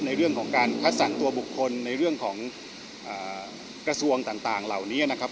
ในเรื่องของการคัดสรรตัวบุคคลในเรื่องของกระทรวงต่างเหล่านี้นะครับ